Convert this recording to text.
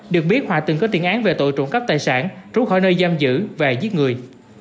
được biết hòa từng có tiền án về tội trộm cắp tài sản trú khỏi nơi giam giữ và giết người